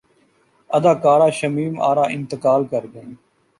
اداکارہ شمیم ارا انتقال کرگئیں